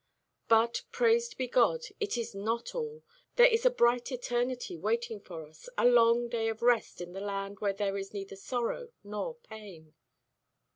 But, praised be God, it is not all! There is a bright eternity waiting for us a long day of rest in the land where there is neither sorrow nor pain."